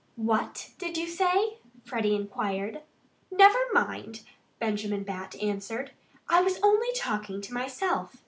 "What did you say?" Freddie inquired. "Never mind!" Benjamin Bat answered. "I was only talking to myself.